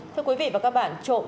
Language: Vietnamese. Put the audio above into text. phương quý vị và các bạn